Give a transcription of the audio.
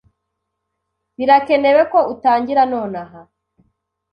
Birakenewe ko utangira nonaha.